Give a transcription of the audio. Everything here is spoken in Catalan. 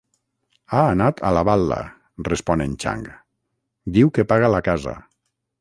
Ha anat a la bal·la –respon en Chang–, diu que paga la casa.